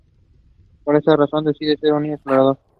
Por esta razón, decide ser un niño explorador.